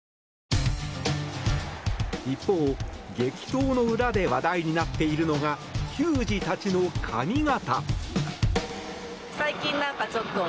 一方、激闘の裏で話題になっているのが球児たちの髪形。